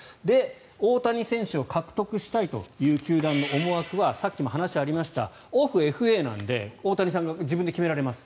大谷選手を獲得したいという球団の思惑はさっきも話がありましたオフ、ＦＡなので大谷さんが自分で決められます。